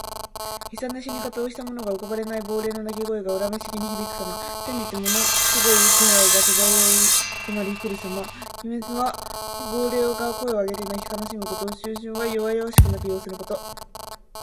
悲惨な死に方をした者の浮かばれない亡霊の泣き声が、恨めしげに響くさま。転じてものすごい気配が漂い迫りくるさま。「鬼哭」は亡霊が声を上げて泣き悲しむこと。「啾啾」は弱弱しく鳴く様子のこと。